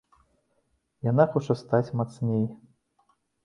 Яна хоча стаць мацней.